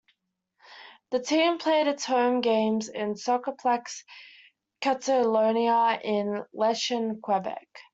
The team played its home games in Soccerplexe Catalogna in Lachine, Quebec.